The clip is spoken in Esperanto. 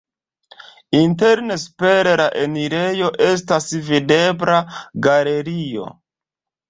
Interne super la enirejo estas videbla galerio.